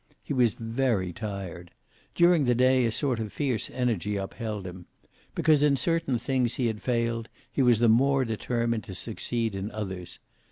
He was very tired. During the day, a sort of fierce energy upheld him. Because in certain things he had failed he was the more determined to succeed in others.